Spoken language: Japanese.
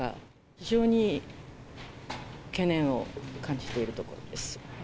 非常に懸念を感じているところです。